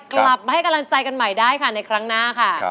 กลับมาให้กำลังใจกันใหม่ได้ค่ะในครั้งหน้าค่ะ